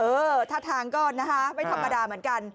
ท่าทางก็นะคะไม่ธรรมดาเหมือนกัน